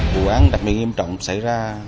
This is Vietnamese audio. vụ án đặc biệt nghiêm trọng xảy ra